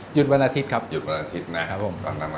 หยุดวันอาทิตย์นะครับ